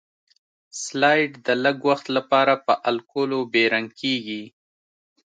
سلایډ د لږ وخت لپاره په الکولو بې رنګ کیږي.